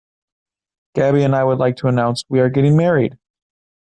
Gabby and I would like to announce we are getting married!.